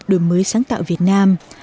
đồng hành sáng tạo việt nam